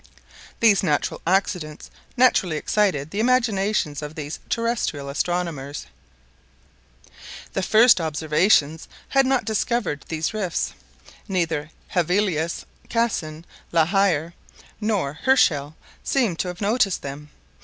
These natural accidents naturally excited the imaginations of these terrestrial astronomers. The first observations had not discovered these rifts. Neither Hévelius, Cassin, La Hire, nor Herschel seemed to have known them.